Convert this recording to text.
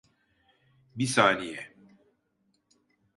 Bi saniye.